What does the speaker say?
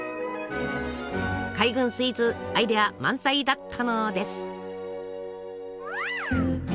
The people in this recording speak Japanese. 海軍スイーツアイデア満載だったのです。